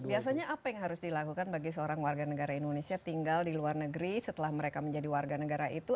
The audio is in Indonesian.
biasanya apa yang harus dilakukan bagi seorang warganegara indonesia tinggal di luar negeri setelah mereka menjadi warganegara itu